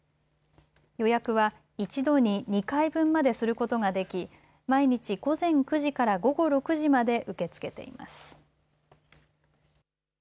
予約は１度に２回分まですることができ毎日、午前９時から午後６時まで受け付けています。